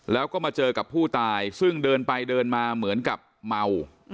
แล้วก็มาเจอกับผู้ตายซึ่งเดินไปเดินมาเหมือนกับเมา